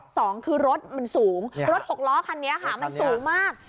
สองคือรถมันสูงรถหกล้อคันนี้ค่ะมันสูงมาก